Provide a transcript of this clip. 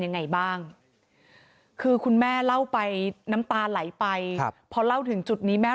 ยังไงบ้างคือคุณแม่เล่าไปน้ำตาไหลไปครับพอเล่าถึงจุดนี้แม่